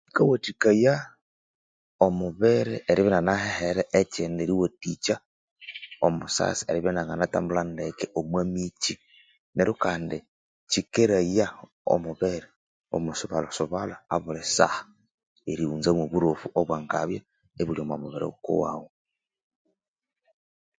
Kyikawathikaya omubiiri eribya inanehehere ekyindi eriwathikya omusasi eribya inanginatambula ndeke omwa mikyi neru kandi kyi keraya omubiiri omwi subalhasubalha abuli saha erighunza mwo burofu obwa ngabya obuli mubiiri ghukuwawu